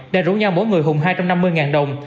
đã rủ nhau mỗi người hùng hai trăm năm mươi đồng